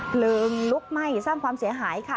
เพลิงลุกไหม้สร้างความเสียหายค่ะ